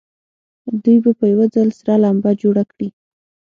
دوی به په یوه ځل سره لمبه جوړه کړي.